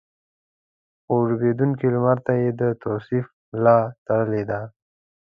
خو ډوبېدونکي لمر ته يې د توصيف ملا تړلې ده.